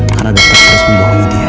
karena dokter terus membohongi dia